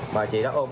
bà chị đó ôm